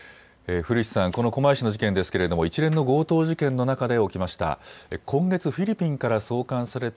古市さん、この狛江市の事件ですけれども一連の強盗事件の中で起きました。